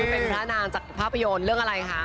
เป็นพระนางจากภาพยนตร์เรื่องอะไรคะ